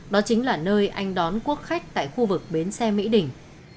đó chính là nơi anh đón quốc khách tại khu vực biến xe mỹ đình